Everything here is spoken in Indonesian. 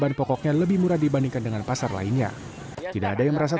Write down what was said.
pasar pocong beroperasi setiap hari mulai pagi hingga sore hari